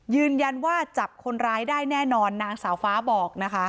ยืนยันว่าจับคนร้ายได้แน่นอนนางสาวฟ้าบอกนะคะ